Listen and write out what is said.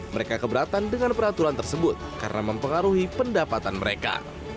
mereka keberatan dengan peraturan tersebut karena mempengaruhi pendapatan mereka